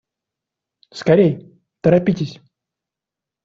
Скорей, торопитесь!